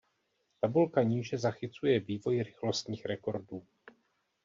Tabulka níže zachycuje vývoj rychlostních rekordů.